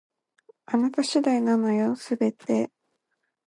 あなた次第なのよ、全て